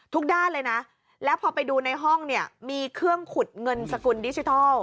ด้านเลยนะแล้วพอไปดูในห้องเนี่ยมีเครื่องขุดเงินสกุลดิจิทัล